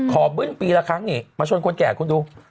บึ้นปีละครั้งนี่มาชนคนแก่คุณดู